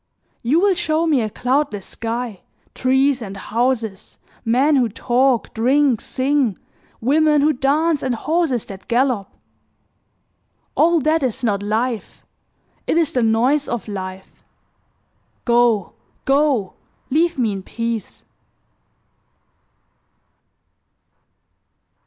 You will show me a cloudless sky, trees and houses, men who talk, drink, sing, women who dance and horses that gallop. All that is not life, it is the noise of life. Go, go, leave me in peace."